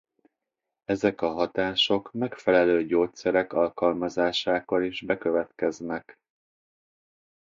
Ezek a hatások megfelelő gyógyszerek alkalmazásakor is bekövetkeznek.